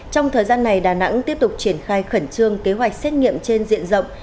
trong thời gian này đà nẵng tiếp tục triển khai khẩn trương kế hoạch xét nghiệm trên diện rộng